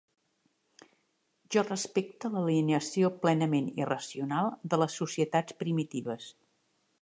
Jo respecte l'alienació plenament irracional de les societats primitives.